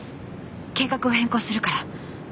計画を変更するから。